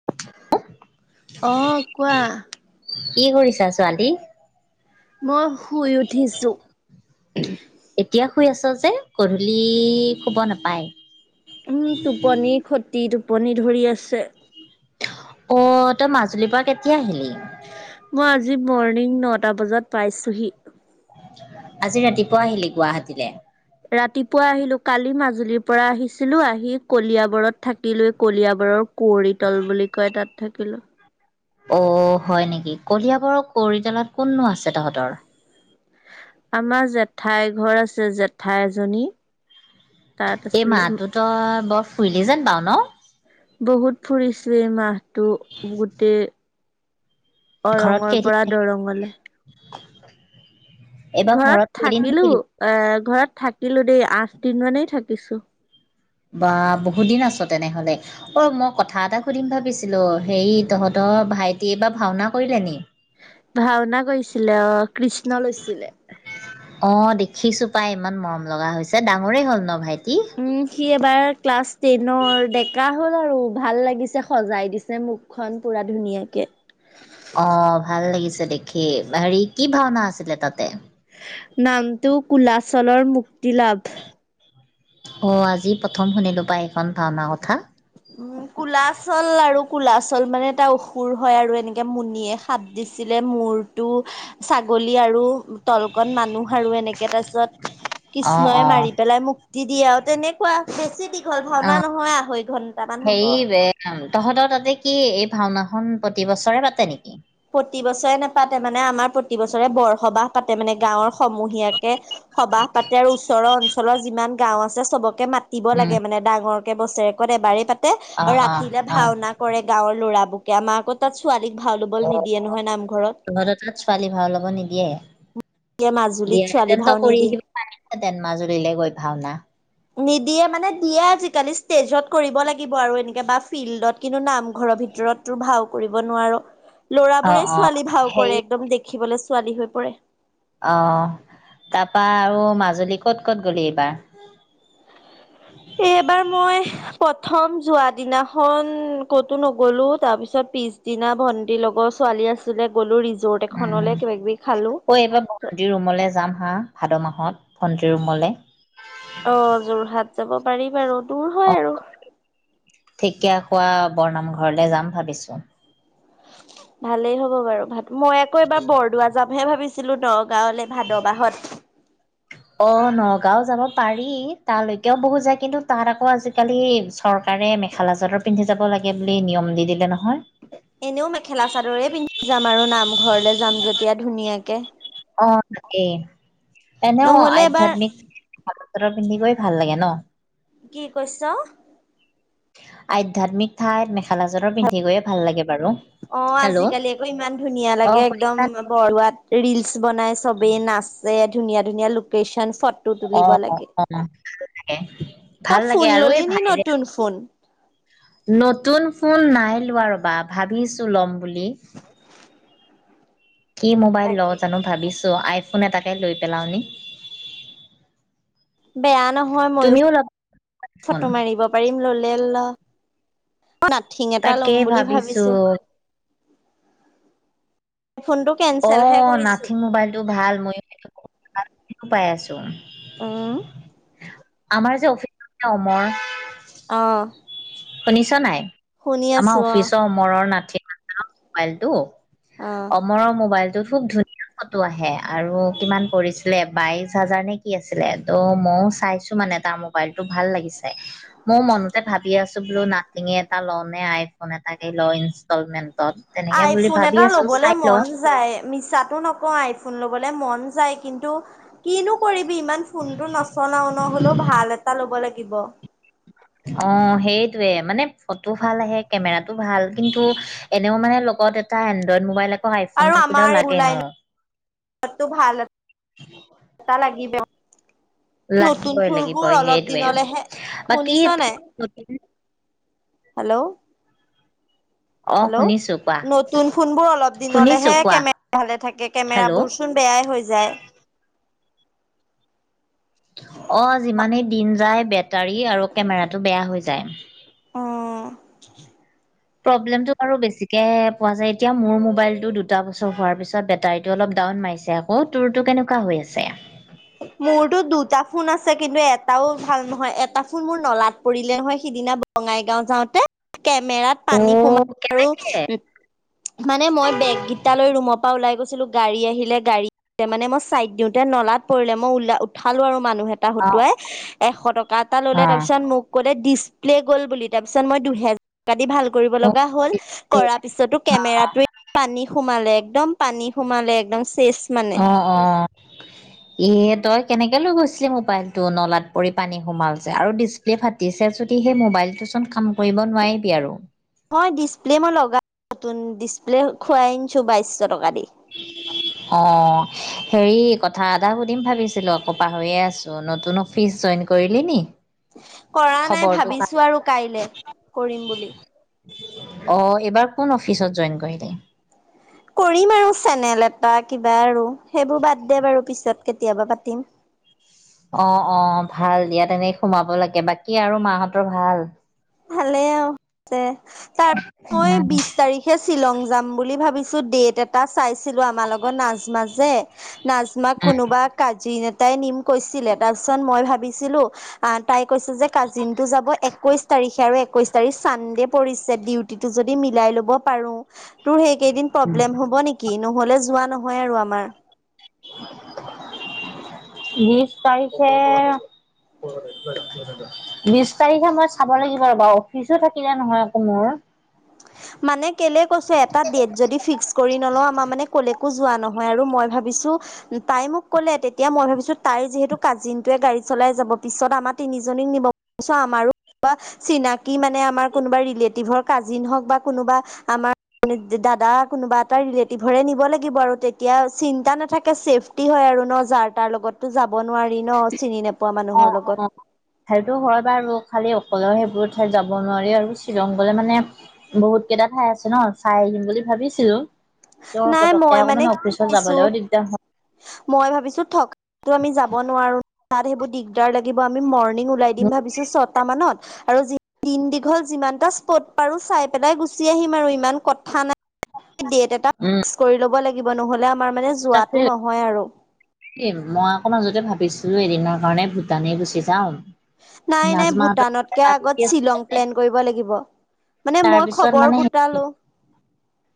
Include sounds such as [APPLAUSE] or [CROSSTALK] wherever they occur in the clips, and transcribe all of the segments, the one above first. [UNINTELLIGIBLE] অ কোৱা? কি কৰিছা ছোৱালী। মই শুই উঠিছো। এতিয়া শুই আছ যে গধূলি শুব নাপায়। উম টোপনি খতি টোপনি ধৰি আছে। অ তই মাজুলীৰ পৰা কেতিয়া আহিলি মই আজি মৰ্ণিং নটা বজাত পাইছোহি। আজি ৰাতিপুৱা আহিলি গুৱাহাটীলৈ ৰাতিপুৱা আহিলো কালি মাজুলীৰ পৰা আহিছিলো আহি কলিয়াবৰত থাকিিলৈ কলিয়াবৰৰ কুঁৱৰী তল বুলি কয় তাত থাকিলো। অ হয় নেকি কলিয়াবৰৰ কৌতালাত কোননো আছে তহঁতৰ আমাৰ জেঠাইৰ ঘৰ আছে জেঠাই এজনী তাত এই আছিলো। মাহটো তই বৰ ফুৰিলি যেন বাৰু ন বহুত ফুৰিছো এই মাহটো গোটেই ঘৰত অৰঙৰ কেই দিন পৰা দৰঙলে। থাকিব। ঘৰত থাকিলো আহ ঘৰত থাকিলো দেই আঠ দিন মানেই থাকিছো। বা! বহুত দিন আছ তেনেহলে? অ মই কথা এটা সুধিম ভাবিছিলো, হেৰি তহঁতৰ ভাইটি এইবা ভাওনা কৰিলে নি? ভাওনা কয়িছিলে অ' কৃষ্ণ লৈছিলে। অঁ দেখিছো পাই ইমান মৰম লগা হৈছে, ডাঙৰেই হ'ল ন ভাইটি? উম' সি এবাৰ ক্লাছ টেনৰ ডেকা হ'ল আৰু। ভাল লাগিছে সজাই দিছে মুখখন পুৰা ধুনীয়াকে অ ভাল লাগিছে দেখি, হেৰি কি ভাওনা আছিলে তাতে? নামটো কুলাচলৰ মুক্তি লাভ'। অ আজি প্ৰথম শুনিলো পাই এইখন ভাওনা কথা। [UNINTELLIGIBLE] কুলাচল আৰু কুলাচল মানে এটা অসুৰ হয় আৰু এনেকে মুনিয়ে সাপ দিছিলে মূৰ টো ছাগলী আৰু তলকণ মানুহ আৰু এনেকে তাছত, অ', কৃষ্ণই অ'। মাৰি পেলাই মুক্তি দিয়ে আঔ তেনেক কোৱা বেছি দীঘল ভাওনা অ', নহয় আঢ়ৈ ঘণ্ট- হেৰি এ তহঁতৰ তাতে কি এই ভাওনাখন প্ৰতি বছৰে পাতে নেকি? প্ৰতি বছয়ে নেপাতে মানে আমাৰ প্ৰতি বছৰে বৰসবাহ পাতে মানে গাঁওৰ সমূহীয়াকে সবাহ পাতে আৰু ওচৰৰ অঞ্চলৰ যিমান গাওঁ আছে চবক- কে মাতিব উম, লাগে মানে ডাঙৰ কে বছেৰেকত এবাৰেই পাতে আৰু অ', অ', ৰাতিলে অ', ভাওনা কৰে গাঁৱৰ ল'ৰাবুকে আমাৰ আকৌ তাত ছোৱালীক ভাও লবল নিদিয়ে নহয় নামঘৰত। তহঁত তাত ছোৱালী ভাও ল'ব নিদিয়ে? দিয়ে মাজুলীত ছোৱালী দিয়াহেতেন'ত ভাও কৰি নিদিয়ে আহি পাই হেতেন মাজুলীলে গৈ ভাওনা নিদিয়ে মানে দিয়ে আজিকালি ষ্টেজত কৰিব লাগিব আৰু এনেকে বা ফিল্ডত কিন্তু নামঘ'ৰ ভিতৰত টো ভাও কৰিব নোৱাৰো। অ', লৰাবোৰে অ', ছোৱালী ভাও হেৰি কৰে একদম দেখিবলে ছোৱালী হৈ পৰে। অ' তাৰপা আৰু মাজুলী ক'ত ক'ত গ'লি এইবাৰ? এইবাৰ মই প্ৰথম যোৱা দিনাখন ক'তো নগলো তাৰ পিছত পিছ দিনা ভন্টিৰ লগৰ ছোৱালী আছিলে গ'লো ৰিজৰ্ট উম। এখনলে কিবা-কিবি খালোঁ। অ এইবাৰ আজি ৰুমলৈ যাম হাঁ ভাদ মাহত ভণ্টিৰ ৰুমলে অ' যোৰহাট যাব পাৰি বাৰু দূৰ হ অ' থেকিয়াখোৱা বৰনাম ঘৰলে যাম ভাবিছোঁ। ভালেই হ'ব বাৰু ভাত মই আকৌ এবাৰ বৰদোৱা যামহে ভাবিছিলো নগাঁওলে ভাদবাহত অ নগাঁও যাব পাৰি, তালৈকে বহুত যায় কিন্তু তাত আকৌ আজি কালি চৰকাৰে মেখেলা-চাদৰ পিন্ধি যাব লাগে বুলি নিয়ম দি দিলে নহয়। এনেও মেখেলা-চাদৰে পিন্ধি যাম আৰু নামঘৰলে যাম যেতিয়া ধুনীয়াকে। অঁ এই, এনেও নহ'লে এবাৰ আধ্যাত্মিক চাদ-চাদৰ পিন্ধি গৈ ভাল লাগে ন'? কি কৈছ? আধ্যাত্মিক ঠাইত মেখেলা-চাদৰ পিন্ধি গৈয়ে ভাল লাগে বাৰু। অঁ হেল্ল' আজি-কালি আকৌ ইমান ধুনীয়া অ লাগে একদম শুনিছা বৰৰোৱাত ৰিলচ বনাই, চবেই নাচে, ধুনীয়া-ধুনীয়া লোকেশচন চত অঁ অঁ, তাকে ভাল ত' লাগে ফোন আৰু এই লনি নি ভাইৰেল নতুন ফোন? নতুন ফোন নাই লোৱা ৰ'বা ভাবিছো ল'ম বুলি। কি মোবাইল ল তাকে জানো ভাবিছোঁ! আইফোন এটাকে লৈ পেলাও নি? বেয়া নহয়, ময়ও তুমিও ল'বা চোন ফটো মাৰিব পাৰিম। ল'লে নাথিং এটা লম বুলি ভাবিছো। ফোনটো অ কেনচেলহে কৰিছো নাথিং মোবাইলটো ভাল মইও সেই পাই আছো। হুম। আমাৰ যে অফিচৰ অমৰ- অ। শুনিছা নাই? শুনি আমাৰ আছো অ অফিচৰ অমৰৰ নাথিং মোবাইলটো। অ অমৰৰ মোবাইলটো খুব ধুন কিমান ফটো আহে আৰু কিমান পৰিছিলে বাইশ হাজাৰ নে কি আছিলে। ত' ময়ও চাইছোঁ মানে তাৰ মোবাইলটো ভাল লাগিছে। ম‌য়ো মনতে ভাবি আছোঁ ব্লু নাথিংঙে এটা লওঁ নে আইফোন এটাকেই লওঁ ইনষ্টলমেন্টত। তেনেকে বুলি আইফোন ভাবি এটা আছো ল'বলে চাই মন লওঁ যায়। মিছাটো নকওঁ আইফোন ল'বলে মন যায়, কিন্তু- কিনো কৰিবি ইমান ফোনটো নচলাও নহ'লেও ন হ'লেও ভাল এটা ল'ব লাগিব। অঁ', সেইটোয়ে, মানে ফটো ভাল আহে কেমেৰাটো ভাল কিন্তু- এনেও মানে লগত এটা এণ্ড্ৰইড মোবাইল, আইফোন থাকিলেও লাগে ন। তা'তো ভাল তা লাগিব। নতুন লাগিবই ফুৰবোৰ লাগিবই অলপ সেইটোৱে দিনলৈহে, বাকী শুনিছ নাই? হেল্ল'। অ হেল্ল'। শুনিছো কোৱা নতুন ফোনবোৰ অলপ শুনিছো দিনলেহে কোৱা কেমেৰা ভালে থাকে। কেমেৰা হেল্ল' বোৰচোন- বেয়াই হৈ যায়। অ যিমানেই দিন যায় বেটাৰী আৰু কেমেৰাটো বেয়া হৈ যায়। অঁ। প্ৰব্লেমটো আৰু বেছিকেহে পোৱা যায়। এতিয়া মোৰ মোবাইলটো দুটা বছৰ হোৱাৰ পিছত বেটাৰীটো অলপ ডাউন মাৰিছে। অ তোৰটো কেনেকুৱা হৈ আছে? মোৰটো দুটা ফোন আছে, কিন্তু এটাও ভাল নহয় এটা ফোন মোৰ নলাত পৰিলে নহয়, সিদিনা- বঙাইগাঁও যাওঁতে। কেমেৰাত অ পানী সোমাই আৰু কেনেকে? মানে মই বেগকেইটা লৈ ৰুমত - তাৰপৰা ওলাই গৈছিলোঁ, গাড়ী আহিলে, গাড়ীত মানে মই চাইড দিওঁতে নলাত - পৰিলে। মই উলা উঠালো আৰু মানুহ এটা অ হতুৱাই এশ টকা এটা ল'লে, অ তাৰপিছত মোক - ক'লে ডিছপ্লে গ'ল বুলি, তাৰপিছত মই দুহেজ- জা দি ভাল কৰিব লগা হ'ল, কৰাৰ পিছতো কেমেৰাটোৱে পানী সোমালে একদম- পানী সোমালে একদম শেষ মানে। অঁ', - অঁ', - অঁ', - অঁ', -। এ তই কেনেকে লৈ গৈছিলি মোবাইলটো নলাত পৰি পানী সোমাল যে, আৰু ডিছ- প্লে ফাতি আছে যদি সেই মোবাইলটো চোন কাম কৰিব নোৱাৰিবি আৰু। হয়, ডিছপ্লে মই লগায নতুন ডিছপ্লে' খুৱাই আনছোঁ বাইছশ টকা দি। [UNINTELLIGIBLE] অঁ। হেৰি কথা এটা সুধিম বুলি ভাবিছিলোঁ আকৌ পাহৰিয়ে আছো নতুনক- ফিচ জইন কৰিলি নি? কৰা নাই খবৰটো পা ভাবিছো আৰু কাইলে কৰিম বুলি। অ', এইবাৰ কোন অফিচত জইন কৰিলে? কৰিম আৰু চেনেল এটা কিবা আৰু সেইবোৰ বাদ দে বাৰু, পিছত- কেতিয়াবা পাতিম। অঁহ ', -অঁহ', - ভাল দিয়া, তেনেকে সোমাব লাগে। বাকী আৰু মাহঁতৰ ভাল? ভালেই আৰু তাৰপিছ মই বিশ তাৰিখ! সেই শ্বিলং যাম বুলি ভাবিছোঁ ডেইট এটা! এটা চাইছিলো আমাৰ লগত নাজমা যে নাজমাক কোনোবা কাজিন এতাই নিম! কৈছিলে, তাৰপিছত মই ভাবিছিলো তাই কৈছে যে কাজিনটো যাব একৈছ,,, তাৰিখে আৰু একৈশ তাৰিখ চানডে পৰিছে ডিউটি টো যদি মিলাই ল'ব পাৰো। তোৰ সেইকেইদিন প্ৰব্লেম হ'ব নেকি নহ'লে যোৱা নহয় আৰু আমাৰ। [UNINTELLIGIBLE] বিছ তাৰিখে বিশ তাৰিখে মই চাব লাগিব ৰ বাৰু অফিচো থাকিলে নহয় আকৌ মোৰ। মানে কেলে কৈছে এটা ডেট যদি ফিক্স কৰি নলোও আমাৰ মানে কলৈকো যোৱা নহয়। মই আৰু মই ভাবিছোঁ তাই মোক কলে, তেতিয়া মই ভাবিছো তাইৰ যিহেতু কাজিনটোৱে গাড়ী চলাই যাব পিছত আমাৰ তিনিজনীক নিব। চা আমাৰো কোনোবা চিনাকি মানে আমাৰ কোনোবা ৰিলেটিভৰ কাজিন হওক বা কোনোবা,,, আমাৰ দাদা কোনোবা এটা ৰিলেটিভৰে নিব লাগিব আৰু তেতিয়া চিন্তা নাথাকে ছেফ। টি হয় আৰু ন। যাৰ তাৰ লগতো যাব নোৱাৰি ন চিনি নোপোৱা মানুহৰ লগত। সেইতো হয় বাৰো, খালি অকলেও সেইবোৰ ঠাইত যাব নোৱাৰি আৰু শ্বিলং গলে মানে,,, বহুত কেইটা ঠাই আছে ন চাই আহিম বুলি ভাবিছিলো। তো নাই ফটকে মই মানে অকমান কি অফিচত ভাবিছো যাবলৈও দিগদাৰ হয়। মই ভাবিছো থকাতো আমি যাব নোৱাৰো তাত সেইবোৰ দিগদাৰ লাগিব আমি মৰ্ণিং,,, ওলাই দিম ভাবিছোঁ ছয়টা মানত। আৰু দিন দীঘল যিমানটা স্পট পাৰো চাই পেলাই গুচি আহিম আৰু ইমান কথা নাই। ডেট এটা উম। ফিক্স কৰি ল'ব লাগিব নহ'লে আমাৰ মানে যোৱটো নহয় আৰু। এই মই আকৌ মাজতে ভাবিছো এদিনৰ কাৰণে ভূটানেই গুচি যাওঁ। নাই নাই নাজমাহঁতৰ ভূটানতকে আগত শ্বিলং আছিলে প্লেন কৰিব লাগিব। মানে মই খবৰ গোটালো।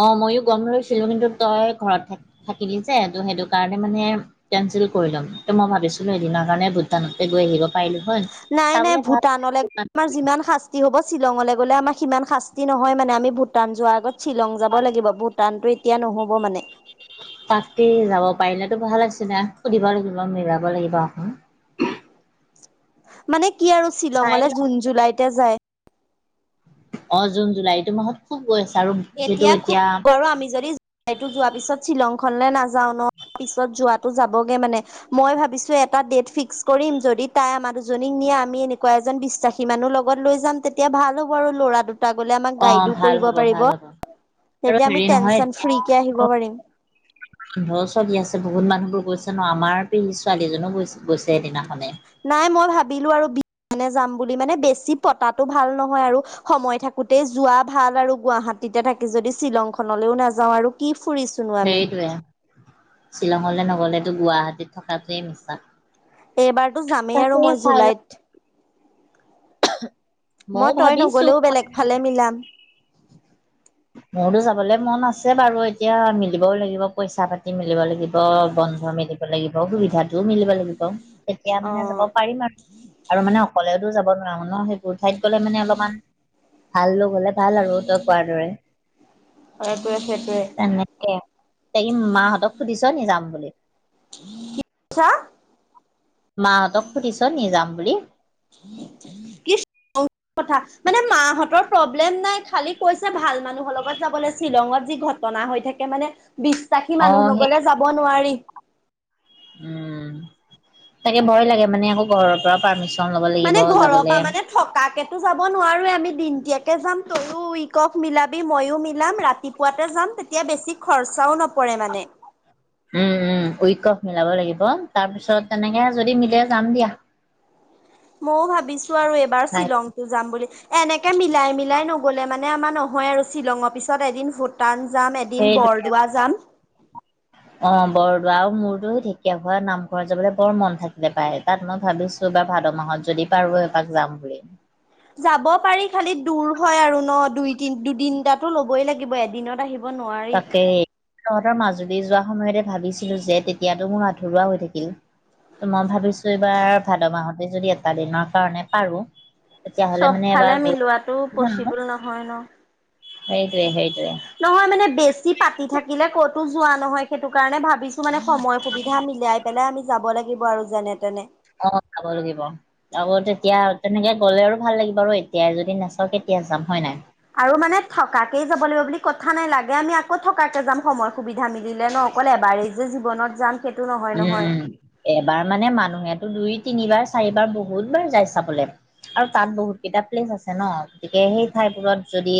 অঁ মইয়ো গম লৈছিলো কিন্তু তই ঘৰত থ থাকিলি যে সেইটো। তালে মানে কেনচেল কৰি ল'ম, মই ভাবিছিলো এদিনৰ কাৰণে ভূটানতে গৈ আহিব পাৰিলোঁ। নাই নাই ভূটানলৈ আমাৰ যিমান শাস্ত,,, শাস্তি হ'ব শ্বিলঙলৈ গ'লে আমাৰ সিমান শাস্তি নহয়, মানে আমি ভূটান যোৱাৰ আগত শ্বিলং যাব লাগিব ভূটানতটো এতিয়া নহ'ব মানে। তাকেই যাব পাৰিলেতো ভাল আছিলে, সুধিব লাগিব মিলাব লাগিব আকো। মানে কি আৰু চাই শ্বিলঙলে ল জুন জুলাইতে যায়। অঁ জুন জুলাই এইটো মাহত খুব গৈ আছে, আৰু। এতিয়া খুব গৰম আমি যদি,,, এটো যোৱাৰ পিছত শ্বিলংখনলৈ নাযাওঁ ন, পিছত যোৱাতটো যাবগে মানে। মই ভাবিছো এটা ডেট ফিক্স কৰিম, যদি তাই আমাৰ দুজনীক নিয়ে। আমি এনেকুৱা এজন বিশ্বাসী। সিমানো লগত লৈ যাম তেতিয়া ভাল হ'ব, আৰু ল'ৰা দুটা গ'লে আমাক অ গাইডো ভাল কৰিব হ'ব পাৰিব। ভাল হ'ব তেতিয়া আমি টেনচন ফ্ৰী কে আহিব পাৰিম। [INAUDIBLE] বন্ধৰ ছোৱালী আছে বহুত মানুহবোৰ গৈছে ন আমাৰ পেহী ছোৱালীএজনীও গৈছে গৈছে সেইদিনাখনে। নাই মই ভাবিলো আৰু বিনে যাম বুলি, মানে বেছি পতাটো ভাল নহয় আৰু। সময় থাকোতেই যোৱা ভাল আৰু গুৱাহাটীতে থাকি যদি শ্বিলং খনলৈও নাযাও আৰু কি ফুৰিছো। সেইৰটোয়ে শ্বিলঙলৈ নগলেতো গুৱাহাটীত থকাটোৱেই মিছা। এইবাৰতো যামেই আৰু তাকে মই চাই লওঁ। জুলাইত। ময়ো মই তই ভাবিছো নগলেও বেলেগ ফালে মিলাম। মোৰতো যাবলৈ মন আছে বাৰু এতিয়া মিলিবও লাগিব, পইচা - পাতি মিলিব লাগিব, বন্ধ মিলি লাগিব সুবিধাটো মিলিব লাগিব। তেতিয়া অ মানে যাব পাৰিম আৰু আৰু মানে অকলেতো যাব নোৱাৰো ন সেই তোৰ ঠাইত গলে মানে অলপমান, ভাল লগ হলে ভাল আৰু তই কোৱাৰ দৰে। হয় এইটোৱে সেইটোৱে। তেনেকে, হেৰি মাহঁতক সুধিছ নি যাম বুলি? কিছা [UNINTELLIGIBLE] মাহঁতক সুধিছ নি যাম বুলি? কি [INAUDIBLE] কথা মানে মাহতৰ প্ৰব্লেম নাই খালি কৈছে ভাল মানুহৰ লগত যাবলৈ, শ্বিলঙত যি ঘটনা হৈ থাকে মানে বিশ্বিসী মানুহ অ' সেই নগলে যাব ব নোৱাৰি। উম, তাকে ভয় লাগে মানে আকৌ ঘৰৰ পৰা পাৰ্মিশন ল'ব লাগিব যাবলে। তাকেতো যাব নোৱাৰোৱে আমি দিনতীয়াকে যাম। তয়ও ইকক মিলাবি, মইও মি ওলাম ৰাতিপুৱাতে যাম তেতিয়া বেছি খৰচাও নপৰে মানে। উম উম উইকফ মিলাব লাগিব তাৰ পিছত তেনেকে যদি মিলে যাম দিয়া। ময়ো ভাবিছোঁ আৰু এইবাৰ নাই শ্বিলং যাম বুলি এনেকে মিলাই - মিলাই নগ'লে মানে আমাৰ নহয় আৰু শ্বিলঙৰ পিছত এদিন ভোট টান যাম এদিন সেইটোকে বৰদোৱা যাম। অ বৰদোৱা আৰু মোৰতো সেই ঢেকীয়া খোৱা নামঘৰত যাবলে বৰ মন থাকিলে পায়। তাত মই ভাবিছো এইবাৰ ভাদ মাহত যদি পাৰো এবাক যাম বুলি। যাব পাৰি খালি দূৰ হয় আৰু ন দুই তি দুদিনটাতো ল'বই লাগিব, এদিনত আহিব নোৱাৰি তাকে তহঁতৰ মাজুলী যোৱা সময়তে ভাবিছিলো যে, তেতিয়াতো মোৰ আধৰুৱা হৈ থাকিল। ত মই ভাবিছো এইবাৰ ভাদ মাহতে যদি এটা দিনৰ কাৰণে পাৰো? তেতিয়াহ'লে মানে এবাৰ চবফালে গৈ মিলোৱাটো জানো পচিবল নহয় ন? সেইটোৱে সেইটোৱে। নহয় মানে বেছি পাতি থাকিলে কতো যোৱা নহয় সেইটো কাৰণে ভাবিছো কিছুমানে সময় সুবিধা মিলাই - পেলাই আমি যাব লাগিব আৰু যেনে - তেনে। অ খাব লাগিব। আকৌ তেতিয়া তেনেকে গ'লে আৰু ভাল লাগিব আৰু এতিয়াই যদি নাচাওঁ কেতিয়া যাম হয় নাই। আৰু মানে থকাকেই যাব লাগিব বুলি কথা নাই লাগে আমি আকৌ থকাকে যাম সময় সুবিধা মিলিলে ন? অকল এবাৰে যে জীৱনত যাম সেইটো নহয় নহয় উম এবাৰ মানে মানুহেতো দুই, তিনিবাৰ, চাৰিবাৰ বহুত বাৰ যায় চাবলৈ। আৰু তাত বহুত কেইটা প্লেচ আছে ন গতিকে সেই ঠাইবোৰত যদি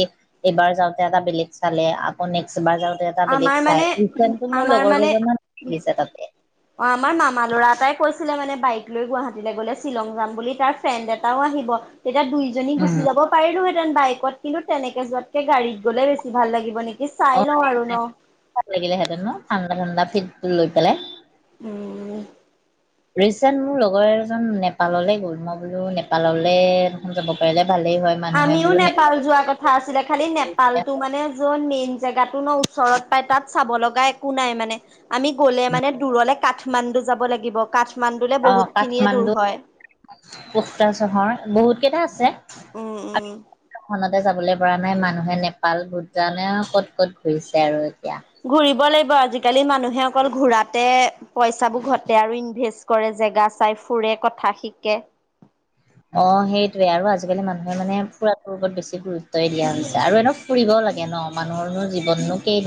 এইবাৰ যাওঁতে এটা বেলেগ চালে আকৌ নেক্সট এবাৰ যাওঁ টো এটা আমাৰ বেলেগ চাই মানে উফটো মোৰ আমাৰ লগৰ মানে কেইজনমান আহিছে তাতে। অ আমাৰ মামা ল'ৰা এটাই কৈছিলে মানে বাইক লৈ গুৱাহাটীলৈ গ'লে শ্বিলং যাম বুলি তাৰ ফ্ৰেণ্ড এটাও আহিব। তেতিয়া দুই এজনী উম গুচি যাব পাৰিলোহেঁতেন বাইকত কিন্তু তেনেকে যোৱাতকৈ গাড়ীত গ'লে বেছি ভাল লাগিব নে কি চাই লওঁ অ আৰু। ন ভাল লাগিলেঁহেতেন ন, ঠাণ্ডা - ঠাণ্ডা ফিলটো লৈ পেলাই? উম। ৰিচেণ্ট মোৰ লগৰ এজন নেপাললৈ গ'ল। মই বোলো নেপাললৈ এবাৰ যাব পাৰিলে ভালেই হয়। মানুহে আমিও বোলো নেপাল যোৱাৰ কথ কথা আছিলে খালি নেপালটো মানে য'ত মেইন জেগাটো ন ওচৰত পায় তাত চাব লগা এক কো নাই মানে? আমি গ'লে মানে দূৰলে কাঠমাণ্ডু যাব লাগিব কাঠমাণ্ডুলে বহুতখিনিয়ে দূৰ হয়। পোক্তা চহৰ বহুত কেইটা আছে। উম উম। হলাতে যাবলৈ পৰা নাই মানুহে নেপাল ভূটানে আৰু ক'ত ক'ত ঘূৰিছে আৰু এতিয়া। ঘুৰিব লাগিব আজিকালি মানুহে অকল ঘুৰাতে পইচাবোৰ ঘটে আৰু ইনভেষ্ট কৰে জেগা চাই ফুৰে, কথা শিকে। অ সেইটোৱে আৰু আজিকালি মানুহে মানে ফুৰাটোৰ ওপৰত বেছি গুৰুত্বই দিয়া হৈছে আৰু এনোক ফুৰিব লাগে ন মানুহৰনো জীৱনো কেইদিন।